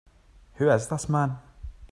Who is this man?